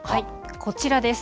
こちらです。